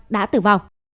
đã tử vong